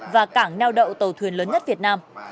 và cảng neo đậu tàu thuyền lớn nhất việt nam